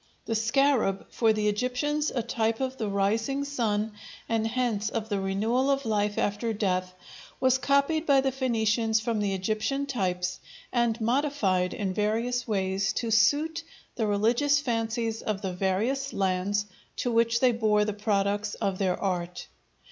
The scarab, for the Egyptians a type of the rising sun and hence of the renewal of life after death, was copied by the Phœnicians from the Egyptian types and modified in various ways to suit the religious fancies of the various lands to which they bore the products of their art.